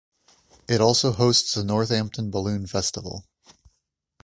It also hosts the Northampton Balloon Festival.